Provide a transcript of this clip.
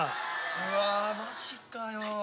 ・うわマジかよ